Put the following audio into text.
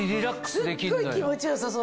すっごい気持ち良さそうだもん。